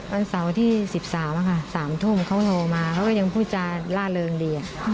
วันเสาร์ที่สิบสามอะค่ะสามทุ่มเขาโทรมาเขาก็ยังพูดจาร่าเริงดีอะ